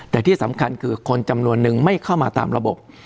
แต่ที่สำคัญคือคนจำนวนนึงไม่เข้ามาตามระบบ